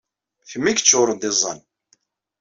D kemm ay yeččuṛen d iẓẓan.